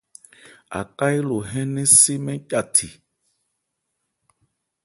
Aká élo hɛ́n nnɛn sé mɛ́n ca the.